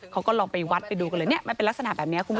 เขาก็ลองไปวัดไปดูกันเลยเป็นลักษณะแบบนี้คุณผู้ชมค่ะ